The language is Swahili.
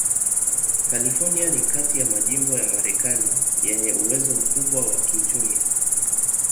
California ni kati ya majimbo ya Marekani yenye uwezo mkubwa wa kiuchumi.